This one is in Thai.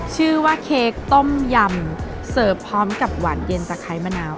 ชื่อว่าเค้กต้มยำเสิร์ฟพร้อมกับหวานเย็นตะไคร้มะนาว